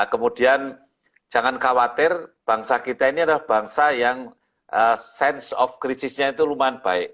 kemudian jangan khawatir bangsa kita ini adalah bangsa yang sense of crisisnya itu lumayan baik